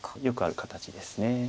よくある形です。